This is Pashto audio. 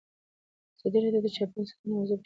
ازادي راډیو د چاپیریال ساتنه موضوع تر پوښښ لاندې راوستې.